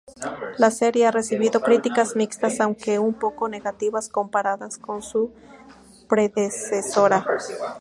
La serie ha recibido críticas mixtas aunque un poco negativas comparadas con su predecesora.